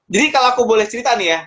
jadi kalau aku boleh cerita nih ya